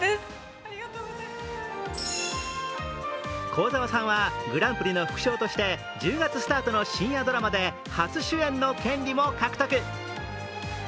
幸澤さんはグランプリの副賞として１０月スタートの深夜ドラマで初主演の権利も獲得。